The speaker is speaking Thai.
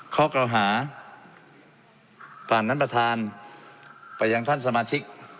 ข้อกล่าวหาผ่านท่านประธานไปยังท่านสมาชิก